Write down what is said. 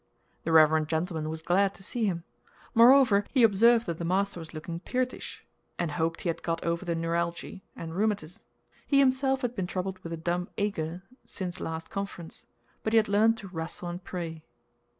The reverend gentleman was glad to see him. Moreover, he observed that the master was looking "peartish," and hoped he had got over the "neuralgy" and "rheumatiz." He himself had been troubled with a dumb "ager" since last conference. But he had learned to "rastle and pray."